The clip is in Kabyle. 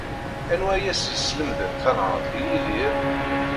Anwa ay as-yeslemden tanhaṛt i Yidir?